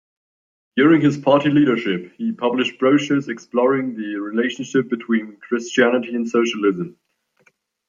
During his party leadership, he published brochures exploring the relationship between Christianity and socialism.